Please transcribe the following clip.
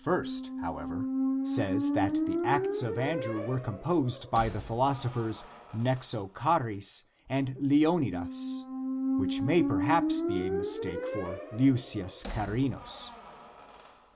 417), however, says that the Acts of Andrew were composed by the philosophers Nexocharis and Leonidas, which may perhaps be a mistake for Leucius Charinus.